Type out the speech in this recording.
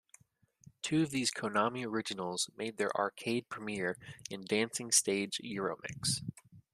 Two of these Konami Originals made their arcade premiere in "Dancing Stage EuroMix".